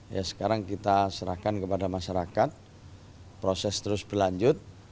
ya sekarang kita serahkan kepada masyarakat proses terus berlanjut